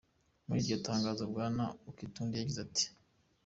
Muri iryo tangazo, Bwana Okitundu yagize ati:.